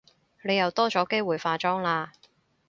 你又多咗機會化妝喇